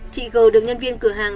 chị gờ được nhân viên cửa hàng